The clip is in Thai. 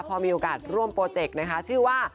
พอมีโอกาสร่วมโปรเจกต์นะคะชื่อว่า